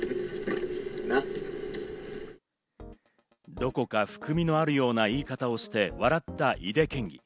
どこか含みのあるような言い方をして笑った井手県議。